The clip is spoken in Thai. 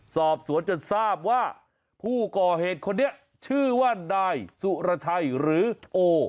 สอบสวนจนทราบว่าผู้ก่อเหตุคนนี้ชื่อว่านายสุรชัยหรือโอ